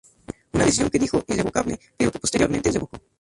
Una decisión que dijo "irrevocable" pero que posteriormente revocó.